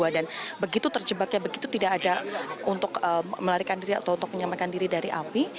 dan begitu terjebaknya begitu tidak ada untuk melarikan diri atau untuk menyamakan diri dari api